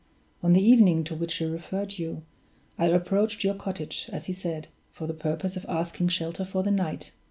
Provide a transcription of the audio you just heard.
On the evening to which he referred you, I approached your cottage, as he said, for the purpose of asking shelter for the night.